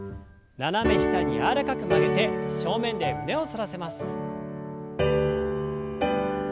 斜め下に柔らかく曲げて正面で胸を反らせます。